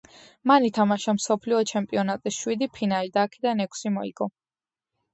მან ითამაშა მსოფლიო ჩემპიონატის შვიდი ფინალი და აქედან ექვსი მოიგო.